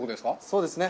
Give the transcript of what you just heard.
そうですね。